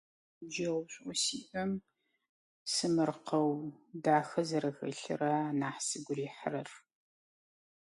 Ныбджэгъушӏэу сиӏэм сэмэркъэу дахэ зэрэхэлъыр ра нахь сыгу рихьырэр.